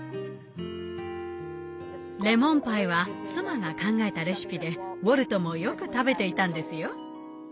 レモンパイは妻が考えたレシピでウォルトもよく食べていたんですよ。